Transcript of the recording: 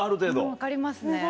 分かりますね。